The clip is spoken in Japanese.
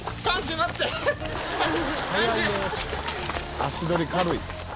足取り軽い。